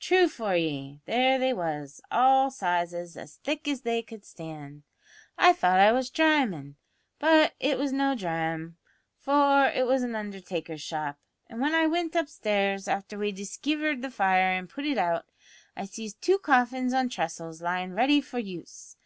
True for ye, there they was, all sizes, as thick as they could stand. I thought I was dramin', but it was no drame, for it was an undertaker's shop; an' when I wint upstairs, after we diskivered the fire an' put it out, I sees two coffins on tressels lyin' ready for use.